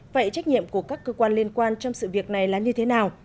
vậy trách nhiệm của các cơ quan liên quan trong sự việc này là như thế nào